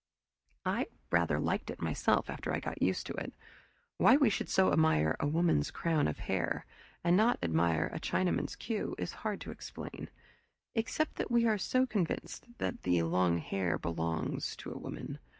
I rather liked it myself, after I got used to it. Why we should so admire "a woman's crown of hair" and not admire a Chinaman's queue is hard to explain, except that we are so convinced that the long hair "belongs" to a woman.